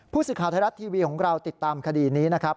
ผู้สิทธิภาษาไทยรัตน์ทีวีของเราติดตามคดีนี้นะครับ